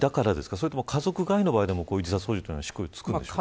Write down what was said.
それとも家族外の場合でも執行猶予は付くんでしょうか。